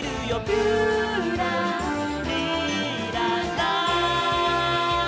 「ぴゅらりらら」